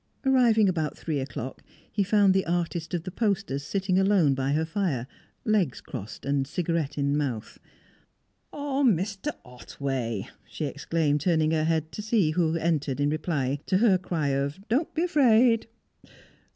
Arriving about three o'clock, he found the artist of the posters sitting alone by her fire, legs crossed and cigarette in mouth. "Ah, Mr. Otway!" she exclaimed, turning her head to see who entered in reply to her cry of "Don't be afraid!"